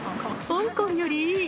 香港よりいい！